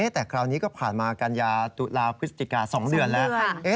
แต่คราวนี้ก็ผ่านมากันยายนตุลาพฤติกาสองเรือนแล้ว